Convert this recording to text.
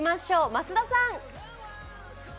増田さん！